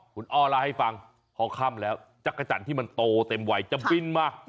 คุณอ้อเล่าให้ฟังพอค่ำแล้วจักรจันทร์ที่มันโตเต็มวัยจะบินมา